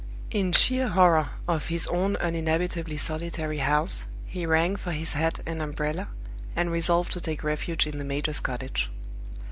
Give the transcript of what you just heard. In sheer horror of his own uninhabitably solitary house, he rang for his hat and umbrella, and resolved to take refuge in the major's cottage.